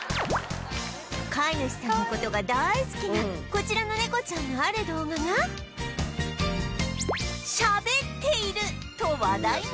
飼い主さんの事が大好きなこちらの猫ちゃんのある動画が喋っていると話題に！